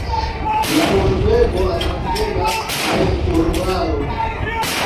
La urbego apartenas al urbaro.